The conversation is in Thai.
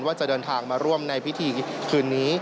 ว่าจะเดินทางมาร่วมในพิธีคืนนี้